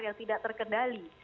yang tidak terkendali